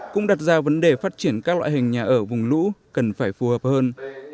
cũng đặt ra vấn đề phát triển các loại hình nhà ở vùng lũ cần phải phù hợp hơn